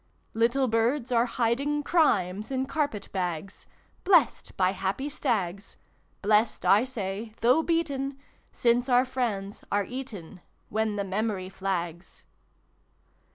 Little Birds are hiding Crimes in carpet bags, Blessed by happy stags: Blessed, I say, though beaten Since our friends are eaten When the memory flags.